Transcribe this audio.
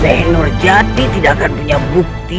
seenur jati tidak akan punya bukti